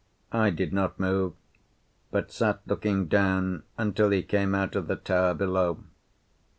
I did not move, but sat looking down until he came out of the tower below.